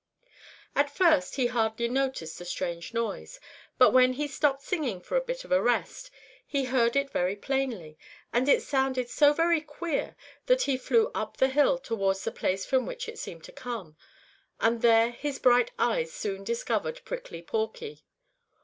At first he hardly noticed the strange noise, but when he stopped singing for a bit of a rest, he heard it very plainly, and it sounded so very queer that he flew up the hill towards the place from which it seemed to come, and there his bright eyes soon discovered Prickly Porky.